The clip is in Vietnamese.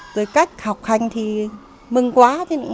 rồi cách học hành thì mừng quá